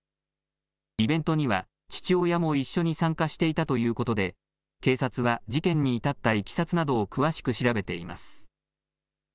イベントには父親も一緒に参加していたということで警察は事件に至ったいきさつなどを詳しく調べています。